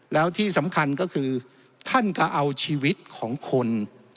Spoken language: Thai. แล้วที่สำคัญก็คือท่านก็เอาชีวิตของคน